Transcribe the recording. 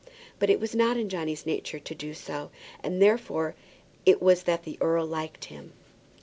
But it was not in Johnny's nature to do so, and therefore it was that the earl liked him.